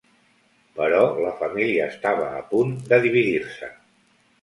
Però la família estava a punt de dividir-se.